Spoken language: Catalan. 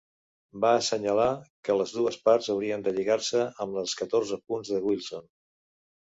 Va assenyalar que les dues parts haurien de lligar-se amb els catorze punts de Wilson.